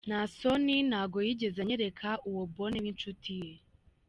Na Naason ntabwo yigeze anyereka uwo Bonne w’inshuti ye.